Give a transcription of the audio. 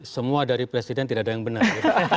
semua dari presiden tidak ada yang benar